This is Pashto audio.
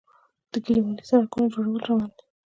د کلیوالي سړکونو جوړول روان دي